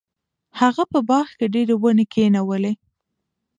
هغه په باغ کې ډیرې ونې کینولې.